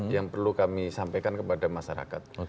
yang perlu kami sampaikan kepada masyarakat